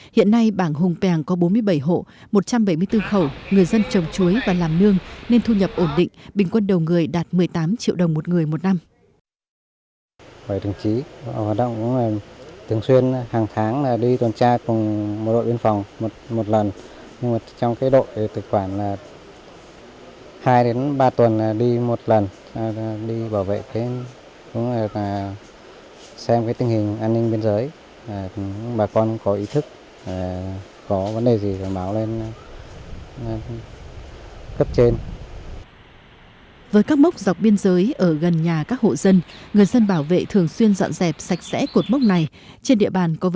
hiện nay bảng hùng pèng có bốn mươi bảy hộ một trăm bảy mươi bốn khẩu người dân trồng chuối và làm nương nên thu nhập ổn định bình quân đầu người đạt một mươi tám triệu đồng một người một năm